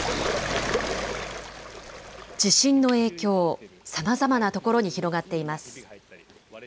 地震の影響、さまざまなところに広がっています。